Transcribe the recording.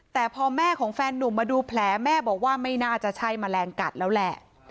แต่พอแม่ของแฟนนุ่มมาดูแผลแม่บอกว่าไม่น่าจะใช่แมลงกัดแล้วแหละ